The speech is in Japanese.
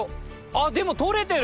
あっでも取れてる！